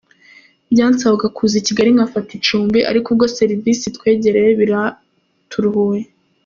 Byansabaga kuza i Kigali nkafata icumbi ariko ubwo serivise itwegereye biraturuhuye”.